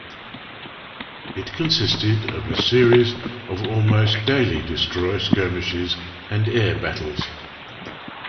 It consisted of a series of almost daily destroyer skirmishes and air battles.